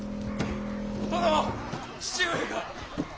殿父上が！